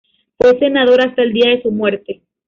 Fue senador hasta el día de su muerte.